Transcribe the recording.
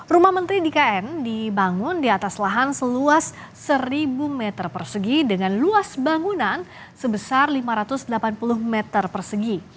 rumah menteri di kn dibangun di atas lahan seluas seribu meter persegi dengan luas bangunan sebesar lima ratus delapan puluh meter persegi